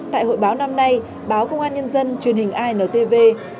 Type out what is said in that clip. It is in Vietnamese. tại hội báo năm nay báo công an nhân dân truyền hình intv